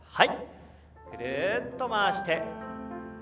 ぐるっと回して。